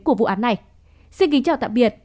của vụ án này xin kính chào tạm biệt